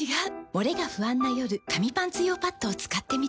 モレが不安な夜紙パンツ用パッドを使ってみた。